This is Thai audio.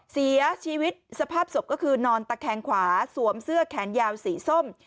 เสียชีวิตสภาพศพก็คือนอนตะแคงขวาสวมเสื้อแขนยาวสีส้ม